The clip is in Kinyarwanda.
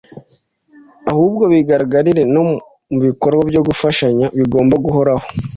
ahubwo bigaragarire no mu bikorwa byo gufashanya bigomba guhoraho